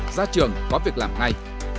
ra trường có việc làm ngay